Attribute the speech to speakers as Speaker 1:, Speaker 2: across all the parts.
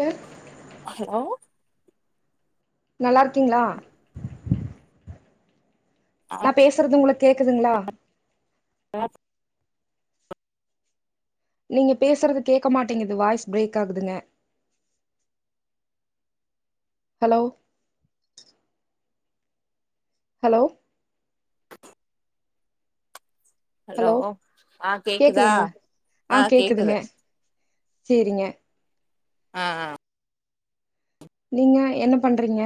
Speaker 1: base
Speaker 2: hello
Speaker 1: நல்லாருக்கீங்களா
Speaker 2: ஆ
Speaker 1: நான் பேசுறது ஒங்களுக் கேக்குதுங்களா நீங்க பேசுறது கேக்க மாட்டேங்குது வாய்ஸ் ப்ரேக் ஆகுதுங்க ஹலோ ஹலோ ஹலோ
Speaker 2: ஆ கேக்குதா
Speaker 1: கேக்துங்ளா ஆ கேக்குதுங்க சரிங்க
Speaker 2: ஆ ஆ
Speaker 1: நீங்க என்ன பண்றீங்க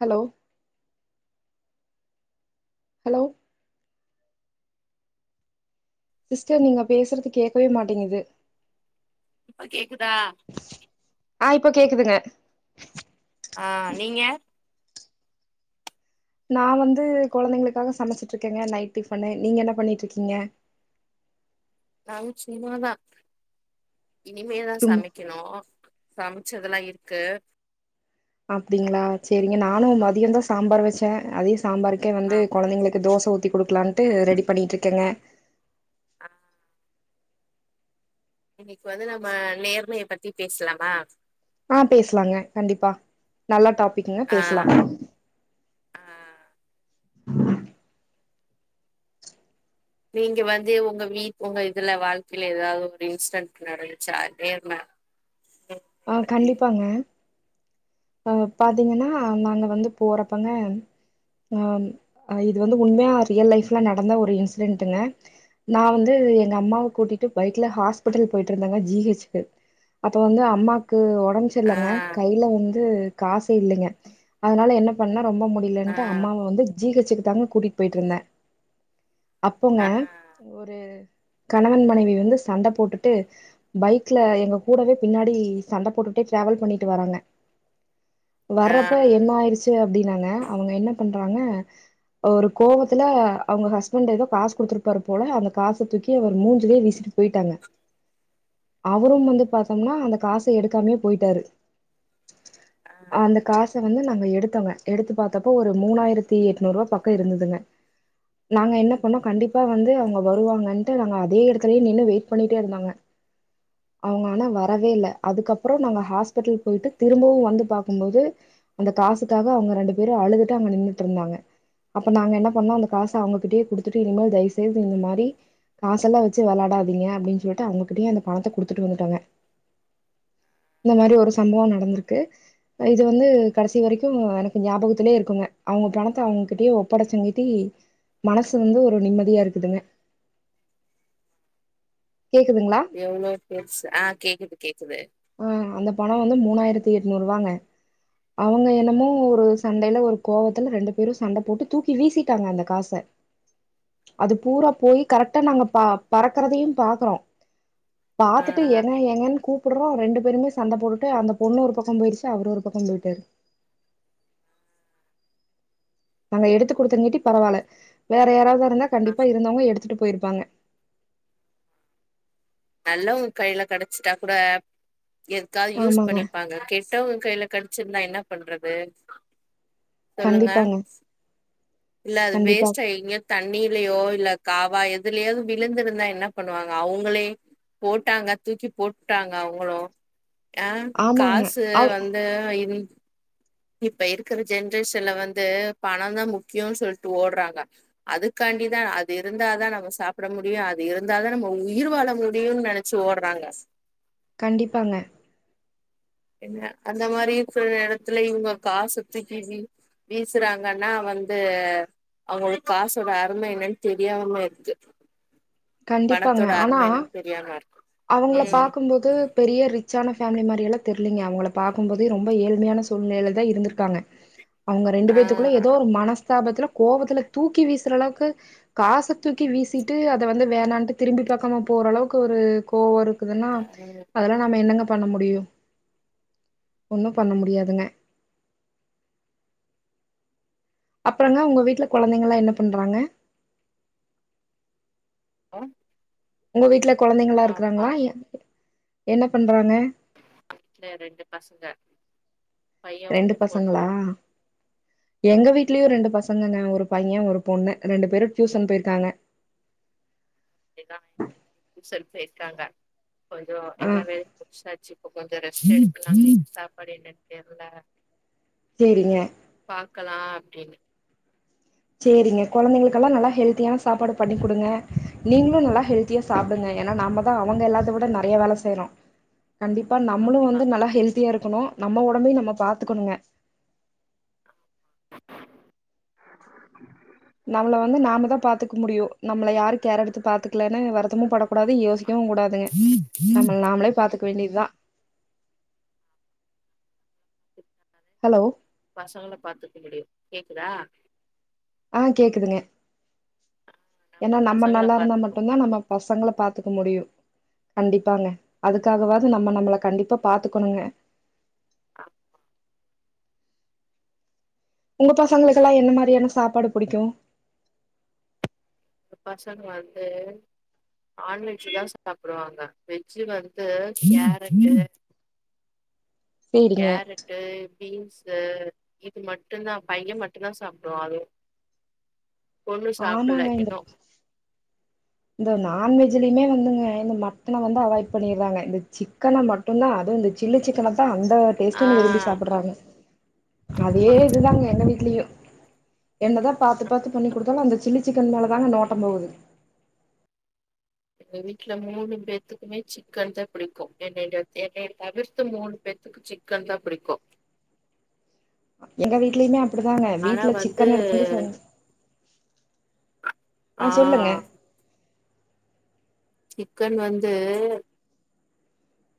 Speaker 1: ஹலோ ஹலோ சிஸ்டர் நீங்க பேசுறது கேக்கவே மாட்டேங்குது
Speaker 2: இப்ப கேக்குதா
Speaker 1: ஆ இப்ப கேக்குதுங்க
Speaker 2: அ நீங்க
Speaker 1: நா வந்து கொழந்தைங்களுக்காக சமச்சிட்டு இருக்கேங்க நைட் டிஃபனு நீங்க என்ன பண்ணிட்டுருக்கீங்க
Speaker 2: நாங்க சும்மாதா இனிமேதா
Speaker 1: சும்
Speaker 2: சமைக் கணு சமச்சதெல்லா இருக்கு
Speaker 1: அப்டிங்ளா சரிங்க நானு
Speaker 2: ஆம்
Speaker 1: மதியந் தா சாம்பார் வச்சேன் அதே சாம்பாருக்கே வந்து
Speaker 2: ஆமா
Speaker 1: கொழந்தைங்களுக்கு தோச ஊத்தி குடுக்கலான்ட்டு ரெடி பண்ணிட்ருக்கேங்க
Speaker 2: அ இன்னிக்கு வந்து நம்ம நேர்மைய பத்தி பேசலாமா
Speaker 1: ஆ பேசலாங்க கண்டிப்பா நல்ல டாப்பிக்குங்க
Speaker 2: ஆ
Speaker 1: பேசலா
Speaker 2: ஆ நீங்க வந்து உங்க வீட் உங்க இதுல வாழ்க்கைல ஏதாவது ஒரு இன்சிடென்ட் நடந்துச்சா நேர்ம நேர்மைய
Speaker 1: ஆ
Speaker 2: பத்தி
Speaker 1: கண்டிப்பாங்க ஆ பாத்தீங்கன்னா நாங்க வந்து போறப்பங்க ஆ இது வந்து உண்மையா ரியல் லைஃப்ல நடந்த ஒரு இன்சிடென்ட்டுங்க நா வந்து எங்க அம்மாவ கூட்டிட்டு பைக்ல ஹாஸ்பிட்டல் போயிட்டு இருந்தங்க ஜிஹெச்கு அப்ப வந்து அம்மா க்கு ஒடம்
Speaker 2: ஆ
Speaker 1: சர்ல்லங்க கைய்ல வந்து காசே இல்லங்க அதனால என்ன பண்ண ரொம்ப மு
Speaker 2: ஆ
Speaker 1: டில்லன்ட்டு அம்மாவ வந்து ஜீகச்சிக்கு தாங்க கூட்டிட்டு போயிட்டு இருந்தன் அப்போங்க
Speaker 2: ஆ
Speaker 1: ஒரு கணவன் மனைவி வந்து சண்ட போட்டுட்டு பைக்ல எங்க கூடவே பின்னாடி சண்ட போட்டுட்டே டிராவல் பண்ணிட்டு வராங்க
Speaker 2: ஆ
Speaker 1: வறப்ப என்ன ஆயிருச்சி அப்டின்னாங்க அவங்க என்ன பண்றாங்க ஒரு கோவத்துல அவங்க ஹஸ்பண்டு எதோ காசு குடுத்துருப்பாரு போல அந்த காச தூக் கி அவரு மூஞ்சிலே வீசிட்டு போயிட்டாங்க அவரும் வந்து பாத்தோம்னா அந்த காச எடுக்காமே போயிட்டாரு
Speaker 2: ஆ
Speaker 1: அந்த காச வந்து நாங்க எடுத்தோங்க எடுத்து பாத்தப்போ ஒரு மூணாயிரத்தி எட்நூறு ரூபா பக்க இருந்ததுங்க நாங்க என்ன பண்ணோ கண்டிப்பா வந்து அவுங்க வருவாங்கன்ட்டு நாங்க அதே எடத்துலே நின்னு வெயிட் பண்ணிட்டே இருந்தோங்க அவங்க ஆனா வரவே இல்ல அதுக்கப்றோ நாங்க ஹாஸ்பிட்டல் போயிட்டு திரும்பவு வந்து பாக்கும்போது அந்த காசுக்காக அவுங்க ரெண்டு பேரும் அழுதுட்டே அங்க நின்னுட்டுருந்தாங்க அப்ப நாங்க என்ன பண்ணோ அந்த காசு அவங்ககிட்டயே குடுத்துட்டு இனிமேல் தயவு செய்து இந்த மாரி காசெல்லா வச்சி வெளாடாதீங்க அப்டின் சொல்ட்டு அவங்ககிட்டயே அந்த பணத்த குடுத்துட்டு வந்துட்டங்க இந்த மாரி ஒரு சம்பவ நடந்திருக்கு இது வந்து கடைசி வரைக்கு எனக்கு ஞாபகத்திலே இருக்குங்க அவங்க பணத்த அவங்கிட்டயே ஒப்படைச்சங்கிட்டி மனசு வந்து ஒரு நிம்மதியா இருக்குதுங்க கேக்குதுங்கிளா
Speaker 2: எவ்ளோ பேச்சி ஆ கேக்குது கேக்குது
Speaker 1: ஆ அந்த பணம் வந்து மூணாயிரத்தி எட்நூரூவாங்க அவங்க என்னமோ ஒரு சண்டையில ஒரு கோவத்துல ரெண்டு பேரும் சண்ட போட்டு தூக்கி வீசிட்டாங்க அந்த காச அது பூரா போய் கரெக்ட்டா நாங்க ப பறக்கறதையும் பா க்கறோ
Speaker 2: ஆ
Speaker 1: பாத்துட்டு ஏங்க ஏங்கன் கூப் புடுறோம் ரெண்டு பேருமே சண்ட போட்டுட்டு அந்த பொண்ணு ஒரு பக்கம் போயிடுச்சி அவரு ஒரு பக்கம் போயிட்டாரு நாங்க எடுத்து கொடுத்தாங்காட்டி பரவால்ல வேற யாராவதா இருந்தா கண்டிப்பா இருந்தவங்க எடுத்துட்டு போயிருப்பாங்க
Speaker 2: நல்லவுங்க கையில கெடச்சிட்டா கூட எதுக்காவது யூஸ்
Speaker 1: ஆமாங்க
Speaker 2: பண்ணிருப்பாங்க கெட் டவங்க கையில கெடச்சிருந்தா என்ன பண்றது சொல்லுங்க
Speaker 1: கண்டிப்பாங்க
Speaker 2: இல்ல அது
Speaker 1: கண்டிப்பா
Speaker 2: வேஸ்ட்டா எங்கயா தண்ணீலயோ இல்ல காவா எதுலயாவது விழுந்திருந்தா என்ன பண்ணுவாங்க அவுங்களே போட்டாங்க தூக்கி போட்டாங்க அவுங்களும் ஆ
Speaker 1: ஆமாங்க
Speaker 2: காசு
Speaker 1: அவ்
Speaker 2: வந் து இருந் இப்ப இருக்கிற ஜென்ரேஷன்ல வந்து பணந்தா முக்கியோன் சொல்ட்டு ஓடறாங்க அதுக்காண்டிதா அது இருந்தாதா நம்ம சாப்ட முடியும் அது இருந்தாதா நம்ம உயிர் வாழ முடியுன் நெனச் சி ஓடறாங்க
Speaker 1: கண்டிப்பாங்க
Speaker 2: என்ன அந்த மாரி சில நேரத்துல இவுங்க காசத் தூக்கி வீ வீசறாங்கன்னா வந்து அவுங்களுக் காசோட அரும என்னன் தெரியாம இருக்கு பணத்தோட அரும என்னன் தெரியாம இருக்கு
Speaker 1: அவுங்களப்
Speaker 2: ம்
Speaker 1: பாக்கும்போது பெரிய ரிச் சான ஃபேம்லி மாரியெல்லாத் தெர்லிங்க அவுங்களப் பாக்கும்போது ரொம்ப ஏழ்மையான சூழ்நிலைலதா இருந்துர்க்காங்க அவுங்க ரெண்டு
Speaker 2: ஆ
Speaker 1: பேத்துகுள்ள எதோ ஒரு மனஸ்தாபத்ல கோவத்துல தூக்கி வீசுறளவுக்கு காசத் தூக்கி வீசிட்டு அத வந்து வேணான்ட்டு திரும்பி பாக்காம போறளவுக்கு ஒரு கோவோ இருக்குதுன்னா அதெல்லா நம்ம என்னங்க பண்ண முடியு ஒன்னு பண்ண முடியாதுங்க அப்றங்க ஒங்க வீட்ல கொழந்தைங்கலா என்னப் பண்றாங்க
Speaker 2: அ
Speaker 1: உங்க வீட்ல கொழந்தைங்கல்லா இருக்கறாங்ளா எ என்னப் பண்றாங்க
Speaker 2: வீட்ல ரெண்டுப் பசங்க பைய
Speaker 1: ரெண்டு
Speaker 2: ஒண்ணு பொண்ணு
Speaker 1: பசங்களா
Speaker 2: ஒண்ணு
Speaker 1: எங்க வீட்லியு ரெண்டு பசங்கங்க ஒருப் பையே ஒருப் பொண்ணு ரெண்டுப் பேரு டியூசன் போயிர்க்காங்க
Speaker 2: [inaudible] டியூஷன் போயிர்க்காங்க கொஞ்சோ
Speaker 1: ஆ
Speaker 2: எல்லா வேலை முடிசாச்சு இப்ப கொஞ்சோ ரெஸ்ட் எடுக்கலான் சாப்பாடு என்னன் தெர்ல
Speaker 1: சேரிங்க
Speaker 2: பாக்கலா அப்டினு
Speaker 1: சேரிங்க கொழந்தைங்களுக்கெல்லாம் நல்லா ஹெல்தியான சாப்பாடு பண்ணி்க் குடுங்க நீங்ளு நல்லா ஹெல்த் த்தியா சாப்டுங்க எனா நாமதா அவங்க எல்லாத்த விட நெறைய வேல செய்றோ கண்டிப்பா நம்முளு
Speaker 2: ஆ
Speaker 1: வந்து நல்லா ஹெல்த்தியா இருக்கணு நம்ம ஒடம்பையு நம்ம பாத்துக்கணுங்க நம்மள வந்து நாமதா பாத்துக்க முடியு நம்ள யாருக் கேரெடுத்து பாத்துக்லேனு வருத் தமும் படக்கூடாது யோசிக்கவுங் கூடாதுங்க நம்மள் நாமளே பாத்துக் க வேண்டிதா ஹலோ
Speaker 2: பசங்கள பாத்துக்க முடியு கேக்குதா
Speaker 1: ஆ கேக்குதுங்க எனா நம்ம
Speaker 2: பசங்கள
Speaker 1: நல்லாருந்தா
Speaker 2: பாத்துக்க
Speaker 1: மட்டுந்தா
Speaker 2: முடியு
Speaker 1: நம்மப் பசங்ள பாத்துக்க முடியு கண்டிப்பாங்க அதுக்காகவாது நம்ம நம்மள கண்டிப்பா பாத்துக்கணுங்க
Speaker 2: ஆ
Speaker 1: உங்க பசங்களுக்கெல்லா என்ன மாரியான சாப்பாடு புடிக்கு
Speaker 2: இந்த பசங்க வந்து நான்வெஜ்ஜூதா சாப்புடுவாங்க வெஜ்ஜூ வந்து கேரட்டு
Speaker 1: சேரிங்க
Speaker 2: கேரட்டு பீன்ஸு இது மட்டுந்தா பையே மட்டுந்தா சாப்டுவா அதுவு பொண்ணு சாப்புல்ல
Speaker 1: ஆமாங்க இந்த
Speaker 2: இன்னு
Speaker 1: இந்த நான்வெஜ்லியுமே வந்துங்க இந்த மட்டன வந்து அவாய்ட் பண்ணிர்றாங்க இந்த சிக்கன மட் டுந்தா அது இந்த சில்லி சிக்கனத்தா அந்த
Speaker 2: ஆ
Speaker 1: டேஸ்ட்டுனு விரும்பிச் சாப்புட்றாங்க அதே
Speaker 2: ஆமா
Speaker 1: இதுதாங்க எங்க வீட்லியு என்னதா பாத்து பாத்து
Speaker 2: ஆ
Speaker 1: பண்ணி குடுத்தாலு அந்த சில்லி சிக்கன் மேலேதாங்க நோட்டம் போகுது
Speaker 2: எங்க வீட்ல மூனு பேத்துக்குமே சிக்கன்தாப் பிடிக்கு என்ட்ட என்ட்டியார் எக்கையத் தவிர்த்து மூனு பேத் துக்கு சிக்கன்தா புடிக்கு
Speaker 1: எங்க வீட்லியுமே அப்புடிதாங்க
Speaker 2: ஆனா
Speaker 1: வீட்ல
Speaker 2: வந்து
Speaker 1: சிக்கன் எடுத்தந்து செஞ்ச்
Speaker 2: ஆ சிக்கன் வந்து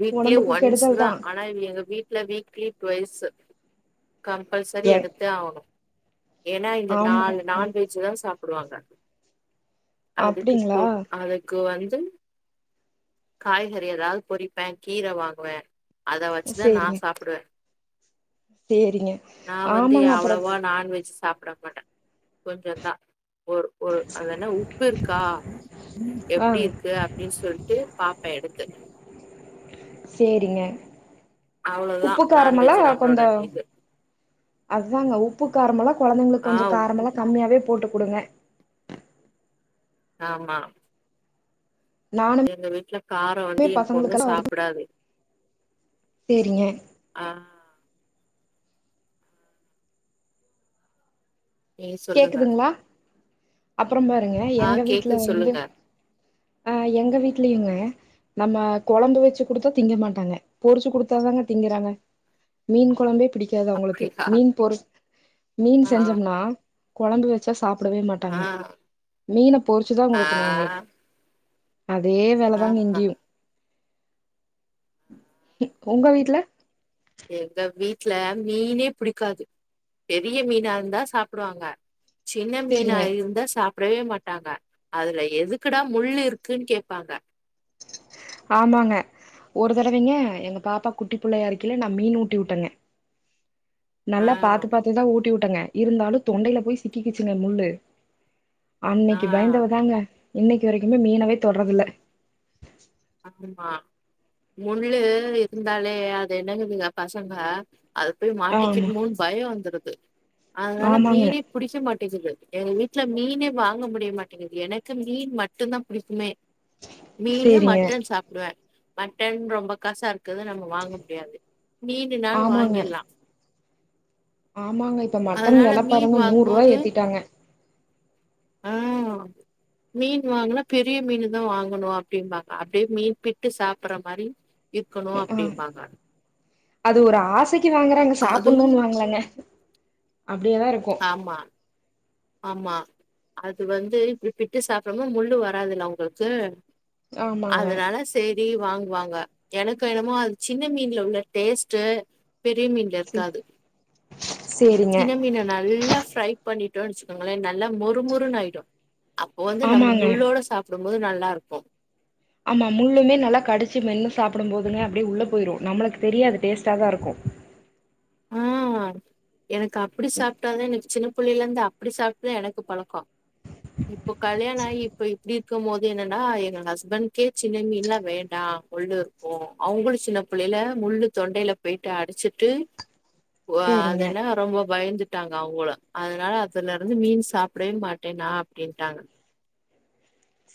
Speaker 2: வீக்லி
Speaker 1: ஒடம்புக்கு
Speaker 2: ஒன்ஸ்ஸு
Speaker 1: கெடுதல்
Speaker 2: தா ஆனா இங் எங்க வீட் இப்ப வீக்லி ட்வைஸ்ஸு கம்பல்சரி
Speaker 1: ஏ
Speaker 2: எடுத்தே ஆவ்னு ஏன்னா இந்த
Speaker 1: ஆமா
Speaker 2: நாலு
Speaker 1: ம்
Speaker 2: நான்வெஜ்தா சாப்புடுவாங்க அதுக்கு தொ
Speaker 1: அப்டிங்களா
Speaker 2: அதுக்கு வந் து காய்கறி எதாவ் பொறிப்பே கீர வாங்குவே அத வச்சுதா நா
Speaker 1: சேரிங்க
Speaker 2: சாப்புடுவ
Speaker 1: சேரிங்க
Speaker 2: நா வந்து
Speaker 1: ஆமாங்க அப்புறோ
Speaker 2: அவ்ளவா நான்வெஜ் சாப்ட மாட்ட கொஞ்ச தா ஒர் ஒர் அங்க என்ன உப்பு இருக்கா
Speaker 1: ஆ
Speaker 2: எப்டி இருக்கு அப்டின் சொல்ட்டு பாப்பே எடுத்து
Speaker 1: சேரிங்க
Speaker 2: அவ்ளோதா
Speaker 1: உப்பு காரமெல்லா
Speaker 2: நான்வெஜ் நம்மளோட
Speaker 1: கொஞ்சோ
Speaker 2: இது
Speaker 1: அதுதாங்க உப்பு காரமெல்லா கொழந்தைங்களுக்
Speaker 2: ஆ
Speaker 1: கொஞ்ச
Speaker 2: உப்பு
Speaker 1: காரமெல்லா கம்மியாவே போட்டு குடுங்க
Speaker 2: ஆமா
Speaker 1: நானுமே
Speaker 2: எங்க வீட்ல காரோ வந்து என் பொண்ணு
Speaker 1: பசங்களுக்கெல்லா
Speaker 2: சாப்டாது
Speaker 1: சேரிங்க
Speaker 2: ஆ ஏ சொல்லுங்க
Speaker 1: அப்புறம் பாருங்க
Speaker 2: ஆ
Speaker 1: எங்க வீட்ல
Speaker 2: கேக்குது
Speaker 1: வந்து
Speaker 2: சொல்லுங்க
Speaker 1: ஆ எங்க வீட்லயுங்க நம்ம கொழம்பு வெச்சு குடுத்தா திங்க மாட்டாங்க பொறிச்சு குடுத்தாதாங்க திங்குறாங்க மீன் கொழம்பே பிடிக்காது அவங்களுக்கு
Speaker 2: அப்டியா
Speaker 1: மீன் பொரு மீன்
Speaker 2: ஆ
Speaker 1: செஞ்சோம்னா கொழம்பு வெச்சா சாப்டவே மாட்டாங்க
Speaker 2: ஆ
Speaker 1: மீன பொறிச்சி தா
Speaker 2: ஆ
Speaker 1: குடுக்கணு அவுங்குளுக்கு அதே வேல
Speaker 2: ஆ
Speaker 1: தாங்க இங்கயு உங்க வீட்ல
Speaker 2: எங்க வீட்ல மீனே பிடிக்காது பெரிய மீனா இருந்தா சாப்டுவாங்க சின்ன மீனா
Speaker 1: சேரிங்க
Speaker 2: இருந்தா சாப் டவே மாட்டாங்க அதுல எதுக்குடா முள்ளு இருக்குன் கேப்பாங்க
Speaker 1: ஆமாங்க ஒரு தடவைங்க எங்க பாப்பா குட்டி பிள்ளையா இருக்கைல நா மீன் ஊட்டி விட்டேங்க
Speaker 2: ஆ
Speaker 1: நல்லா பாத்து பாத்து தா ஊட்டி விட்டங்க இருந்தாலும் தொண்டையில போய் சிக்கிக்கிச்சுங்க முள்ளு
Speaker 2: ஆ
Speaker 1: அன்னக்கி பயந்தவ தாங்க இன்னைக்கு வரைக்குமே மீனவே தொட்றதில்ல
Speaker 2: ஆமா முள்ளு இருந்தாலே அது என்னங்குதுங்க பசங்க அது போய்
Speaker 1: ஆமா
Speaker 2: மாட்டிக்கிறுமோன் பயம் வந்துருது அதனால
Speaker 1: ஆமாங்க
Speaker 2: மீனே புடிக்க மாட்டேங்குது எங்க வீட்ல மீனே வாங்க முடிய மாட்டேங்குது எனக்கு மீன் மட்டுதா புடிக்குமே மீனு
Speaker 1: சேரிங்க
Speaker 2: மட்டன் சாப்டுவ மட்டன் ரொம்ப காசா இருக்குதுனு நம்ம வாங்க முடியாது மீனுனாலு
Speaker 1: ஆமாங்க
Speaker 2: வாங்கில்லா
Speaker 1: ஆமாங்க இப்ப மட்டன் வெல பாருங்க நூறுவா
Speaker 2: வாங்கும்போது
Speaker 1: ஏத்திட்டாங்க
Speaker 2: ஆ மீன் வாங்னா பெரிய மீனு தா வாங்கணு அப்டிம்பாங் அப்டியே மீன்பிட்டு சாப்பற மாரி இருக்கணு
Speaker 1: ஆ
Speaker 2: அப்டிம்பாங்க
Speaker 1: அது ஒரு ஆசைக்கு வாங்குறாங்க
Speaker 2: அதுவு
Speaker 1: சாப்புன்னோன் வாங்கலங்க
Speaker 2: ஆமா ஆமா அது வந்து இப்டி பிட்டு சாப்றாங்க முள்ளு வராதுல்ல அவுங்ளுக்கு
Speaker 1: ஆமாங்க
Speaker 2: அதுனால தேடி வாங்குவாங்க எனக்கு என்னமோ அது சின்ன மீன்ல உள்ள டேஸ்ட்டு பெரிய மீன்ல
Speaker 1: சே
Speaker 2: இருக்காது
Speaker 1: சேரிங்க
Speaker 2: சின்ன மீன நல்லா ஃப்ரை பண்ணி ட்டோ வச்சுக்கோங்ளே நல்லா மொறுமொறுனாயிடு அப்போ வந்து நம்ம
Speaker 1: ஆமாங்க
Speaker 2: முள்ளோட சாப்டும் போது நல்லாருக்கும்
Speaker 1: ஆமா முள்ளுமே நல்லா கடிச்சு மென்னு சாப்புடும் போதுங்க அப்டியே உள்ள போயிரும் நம்மளுக்கு தெரியாது டேஸ்ட்டா தாருக்கும்
Speaker 2: ஆ எனக்கு அப்டி சாப்ட்டாதா எனக்கு ஜின்ன புள்ளைல இருந்து அப்டி சாப்ட்தா எனக்கு பழக்கோம் இப்போ கல்யாணம் ஆயி இப்ப இப்டி இருக்கும் போது என்னனா எங்க ஹஸ்பண்ட்கே ஜின்ன மீன்லா வேண்டா முள்ளு இருக்கும் அவங்ளு ஜின்ன பிள்ளையில முள்ளு தொண்டையில போய்ட்டு அடச்சிட்டு ஒ
Speaker 1: சேரிங்க
Speaker 2: அதுன்னா ரொம்ப பயந்துட் டாங்க அவங்ளு அதுனால அதுல இருந்து மீன் சாப்பட்வே மாட்டே நா அப்டின்ட்டாங்க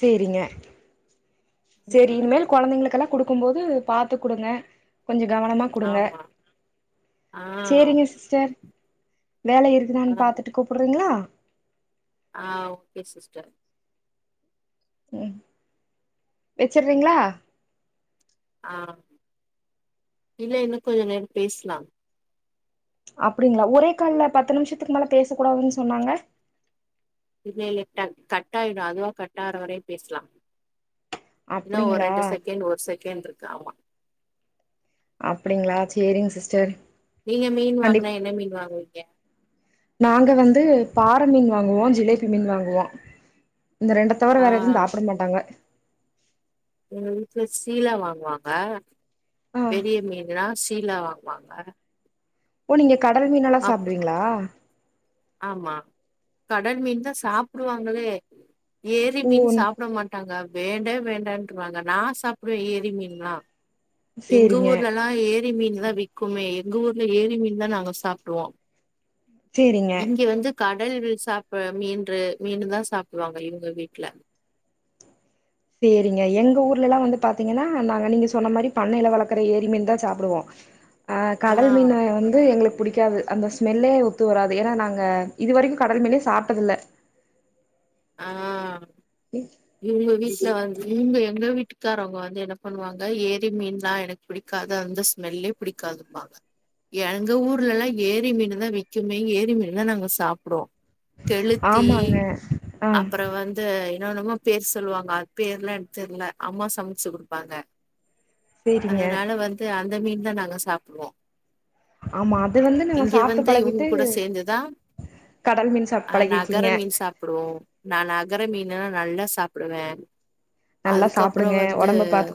Speaker 1: சேரிங்க சேரி
Speaker 2: ம்
Speaker 1: இனுமேல் கொழந்தைங்களுக்கெல்லா குடுக்கும் போது பாத்து குடுங்க கொஞ்ச கவனமா குடுங்க
Speaker 2: ஆமா ஆ
Speaker 1: சேரிங்க சிஸ்டர் வேல
Speaker 2: ஆ
Speaker 1: இருக்குதான் பாத்துட்டு கூப்புட்றீங்களா
Speaker 2: ஆ ஓகே சிஸ்டர்
Speaker 1: ம் வெச்சுறீங்களா
Speaker 2: ஆம் இல்ல இன்னு கொஞ்ச நேரம் பேஸ்லாம்
Speaker 1: அப்டிங்களா ஒரே கால்ல பத்து நிம்ஷத்துக்கு மேல பேச கூடாதுன் சொன்னாங்க
Speaker 2: இல்ல இல்ல டக் கட்டாயிடும் அதுவா கட்டாற வரையு பேஸ்லா இன்னு ஒரு
Speaker 1: அப்டிங்களா
Speaker 2: ரெண்டு செகண்ட் ஒரு செகண்ட்ருக்கு ஆமா
Speaker 1: அப்படிங்ளா சேரிங்க சிஸ்டர்
Speaker 2: நீங்க மீன்
Speaker 1: கண்டிப்
Speaker 2: வாங்கனா என்ன மீன் வாங்குவி
Speaker 1: நாங்க வந்து பாற மீன் வாங்குவோ ஜிலேபி மீன் வாங்குவோ இந்த ரெண்ட தவர வேற எதும்
Speaker 2: ஆ
Speaker 1: சாப்பட மாட்டாங்க
Speaker 2: எங்க வீட்ல சீலா வாங்குவாங்க
Speaker 1: ஆ
Speaker 2: பெரிய மீன்னா சீலா வாங்குவாங்க
Speaker 1: ஓ நீங்க கடல் மீன்னெல்லா
Speaker 2: அப்
Speaker 1: சாப்புடுவீங்களா
Speaker 2: ஆமா கடல் மீன் தான் சாப்புடுவாங்களே ஏரி
Speaker 1: ஓ
Speaker 2: மீது சாப் ட மாட்டாங்க வேண்டே வேண்டாட்ருவாங்க நா சாப்டுவே ஏரி மீன்லா எங்க
Speaker 1: சேரிங்க
Speaker 2: ஊர்ல லா நா ஏரி மீன் தான் விக்குமே எங்க ஊருல ஏரி மீன் தான் நாங்க சாப்டுவோ
Speaker 1: சேரிங்க
Speaker 2: இங்க வந்து கடல் வில் சாப்ப மீன்று மீனு தா சாப்புடுவாங்க இவுங்க வீட்ல
Speaker 1: சேரிங்க எங்க ஊர்லலா வந்து பாத்தீங்கன்னா நாங்க நீங்க சொன்ன மாரி பண்ணையில வளக்குற ஏரி மீன் தான் சாப்புடுவோ அ
Speaker 2: ஆ
Speaker 1: கடல் மீன வந் து எங்ளுக்கு புடிக்காது அந்தஸ்மெல்லே ஒத்து வராது ஏன்னா நாங்க இது வரைக்கு கடல் மீனே சாப்ட்டதில்ல
Speaker 2: ஆ
Speaker 1: ம்
Speaker 2: இவங்க வீட்ல வந்து இங்க எங்க வீட்டுக்காரவங்க வந்து என்ன பண்ணுவாங்க ஏரி மீன்லா எனக் பிடிக்காத அந்த ஸ்மெல்லே பிடிக்காதும்பாங்க எங்க ஊர்லல்லா ஏரி மீனுதா விக்குமே ஏரி மீன்தா நாங்க சாப்டுவோ
Speaker 1: ஆமாங்க ஆ
Speaker 2: அப்பற வந்து என்னனனோமோ பேர் சொல்லுவாங்க அது பேர்லா எனக் தெர்ல அம்மா சமச்சு குடுப்பாங்க
Speaker 1: சேரிங்க
Speaker 2: அதனால வந்து அந்த மீன் தா நாங்க சாப்டுவோ
Speaker 1: ஆமா அது வந்து நம்ம
Speaker 2: இங்க
Speaker 1: சாப்ட்டு
Speaker 2: வந்து இவுங்க
Speaker 1: பழகிட்டு
Speaker 2: கூட சேர்ந்துதா
Speaker 1: கடல் மீன் சாப்ட்டு
Speaker 2: ஆ நகர
Speaker 1: பழகிருக்கீங்க
Speaker 2: மீன் சாப்புடுவோ நா நகர மீன்ல்லா நல்லா சாப்டுவே
Speaker 1: நல்லா
Speaker 2: அதுக்கப்றோ
Speaker 1: சாப்டுங்க
Speaker 2: வந்து
Speaker 1: ஒடம்ப பாத்துக்கோங்க